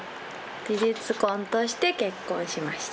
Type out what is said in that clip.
事実婚として結婚しました。